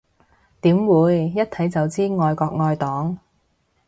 點會，一睇就知愛國愛黨